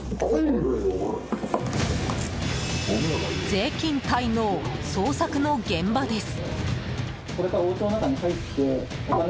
税金滞納、捜索の現場です。